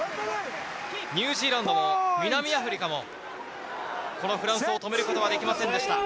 ニュージーランドも南アフリカもこのフランスを止めることはできませんでした。